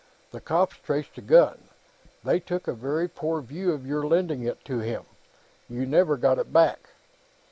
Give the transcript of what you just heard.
The cops traced the gun; they took a very poor view of your lending it to him. You never got it back."